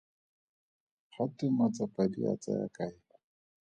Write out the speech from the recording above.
Ga twe matsapa di a tsaya kae?